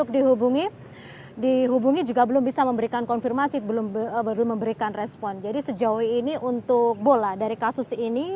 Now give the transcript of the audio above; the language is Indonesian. dihubungi juga belum bisa memberikan konfirmasi belum memberikan respon jadi sejauh ini untuk bola dari kasus ini